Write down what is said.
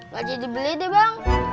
gak jadi beli deh bang